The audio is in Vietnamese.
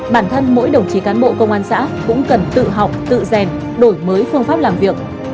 bản thân mỗi đồng chí cán bộ công an xã cũng cần tự học tự rèn đổi mới phương pháp làm việc